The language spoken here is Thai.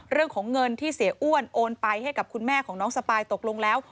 เรื่องของเงินที่เสียอ้วนโอนไปให้กับคุณแม่ของน้องสปายตกลงแล้ว